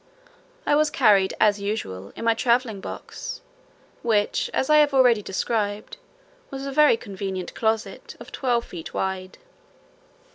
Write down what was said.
I was carried, as usual, in my travelling box, which as I have already described, was a very convenient closet, of twelve feet wide.